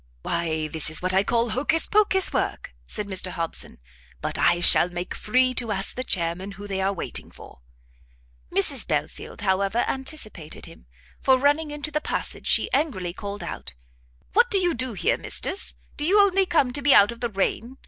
"Why this is what I call Hocus Pocus work!" said Mr Hobson; "but I shall make free to ask the chairmen who they are waiting for." Mrs Belfield, however, anticipated him; for running into the passage, she angrily called out, "What do you do here, Misters? do you only come to be out of the rain?